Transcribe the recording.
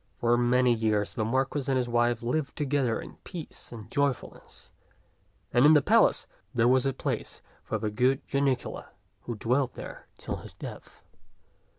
For many years the Marquis and his wife lived together in peace and joyfulness, and in the palace there was a place for the good Janicula, who dwelt there till his death.